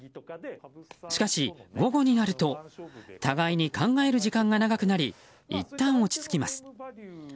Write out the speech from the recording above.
しかし、午後になると互いに考える時間が長くなりいったん落ち着きます。